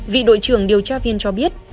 vị đội trưởng điều tra viên cho biết